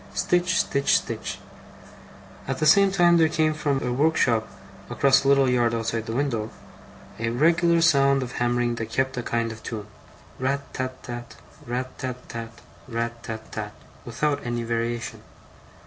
Stitch, stitch, stitch. At the same time there came from a workshop across a little yard outside the window, a regular sound of hammering that kept a kind of tune: RAT tat tat, RAT tat tat, RAT tat tat, without any variation.